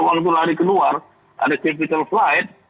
orang itu lari keluar ada capital flight